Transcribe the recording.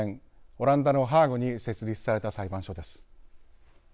オランダのハーグに設立された裁判所です。